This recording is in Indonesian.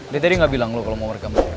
dia tadi gak bilang lu kalo mau work out